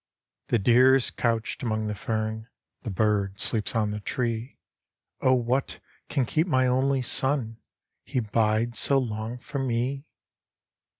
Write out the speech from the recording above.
" The deer is couched among the fern. The bird sleeps on the tree; what can keep my only son, He bides so long from me?"